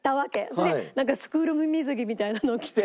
それでなんかスクール水着みたいなのを着て。